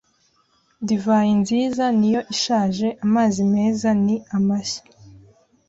Divayi nziza niyo ishaje amazi meza ni mashya